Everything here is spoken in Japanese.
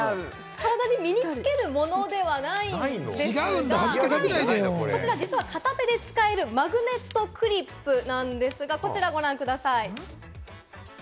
体に身につけるものではないんですが、こちら実は、片手で使えるマグネットクリップなんですが、こちらをご覧ください。